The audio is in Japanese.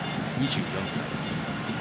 ２４歳。